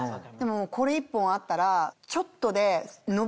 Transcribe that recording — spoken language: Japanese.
これ１本あったらちょっとで。